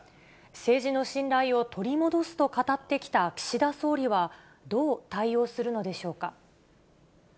政治の信頼を取り戻すと語ってきた岸田総理は、どう対応するのでしょうか。